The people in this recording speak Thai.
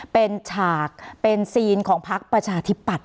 เป็นฉากเป็นซีนของพักประชาธิปัตย